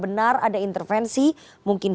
benar ada intervensi mungkin